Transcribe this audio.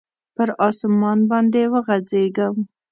پر اسمان باندي وغځیږم